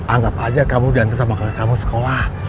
anggap aja kamu diantre sama kakek kamu sekolah